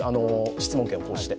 質問権を行使して。